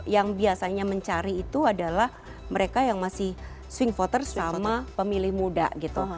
yang biasanya mencari itu adalah mereka yang masih swing voters sama pemilih muda gitu